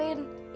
ini kan berbakat